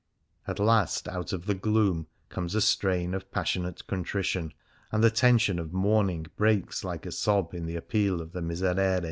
At last out of the gloom comes a strain of passionate contrition, and the tension of mourning breaks like a sob in the appeal of the Miserere.